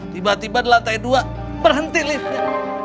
tiba tiba di lantai dua berhenti liftnya